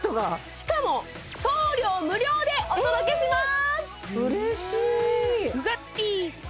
しかも送料無料でお届けします